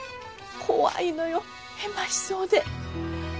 怖いのよヘマしそうで。